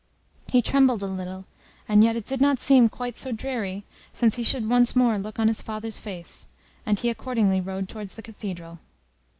He trembled a little, and yet it did not seem quite so dreary, since he should once more look on his father's face, and he accordingly rode towards the Cathedral.